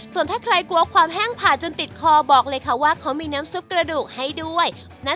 ส่วนถ้าใครกลัวความแห้งผ่าจนติดคอบอกเลยค่ะว่าเขามีน้ำซุปกระดูกให้ด้วยนะ